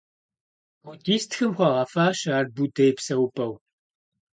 Буддистхэм хуагъэфащэ ар Буддэ и псэупӀэу.